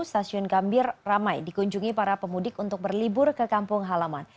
stasiun gambir ramai dikunjungi para pemudik untuk berlibur ke kampung halaman